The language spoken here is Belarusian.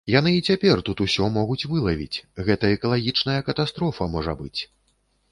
Яны і цяпер тут усё могуць вылавіць, гэта экалагічная катастрофа можа быць.